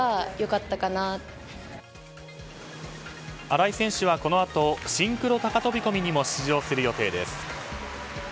荒井選手はこのあとシンクロ高飛込にも出場する予定です。